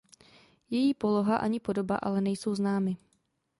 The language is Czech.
Její poloha ani podoba ale nejsou známy.